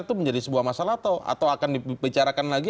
itu menjadi sebuah masalah atau akan dibicarakan lagi